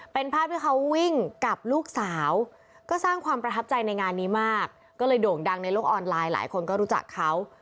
เป็นภาพที่เขาวิ่งกับลูกสาวก็สร้างความประทับใจในงานนี้มากก็เลยโด่งดังในโลกออนไลน์หลายคนก็รู้จักเขา